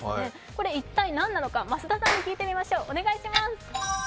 これ一体なんなのか増田さんに聞いてみましょう。